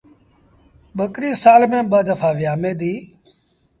ٻڪريٚ سآل ميݩ ٻآ دڦآ ويٚآمي ديٚ۔